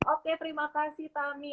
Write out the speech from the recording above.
oke terima kasih tami